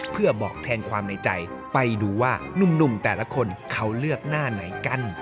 เพื่อบอกแทนความในใจไปดูว่านุ่มแต่ละคนเขาเลือกหน้าไหนกัน